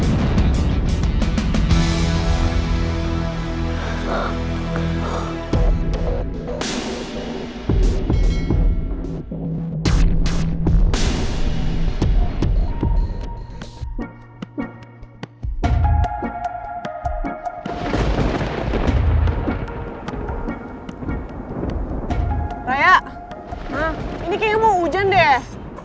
ini kayaknya mau hujan deh